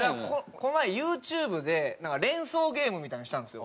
この前ユーチューブで連想ゲームみたいなのしたんですよ。